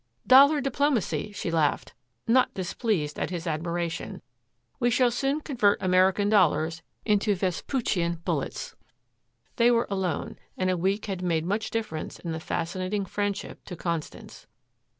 "Dollar diplomacy," she laughed, not displeased at his admiration. "We shall soon convert American dollars into Vespuccian bullets." They were alone, and a week had made much difference in the fascinating friendship to Constance.